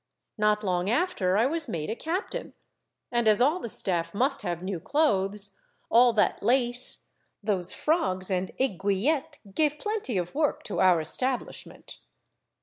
Not long after, I was made a captain, and as all the staff must have new clothes, all that lace, those frogs and aiguillettes gave plenty of work to our es tablishment.